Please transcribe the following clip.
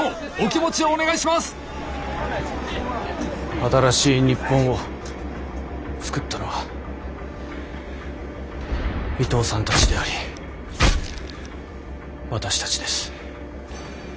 新しい日本を作ったのは伊藤さんたちであり私たちです。